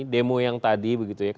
demo yang tadi